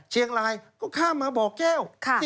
เชียงรายก็ข้ามมาบ่อแก้ว